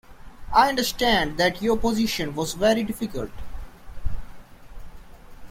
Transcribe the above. I understand that your position was very difficult.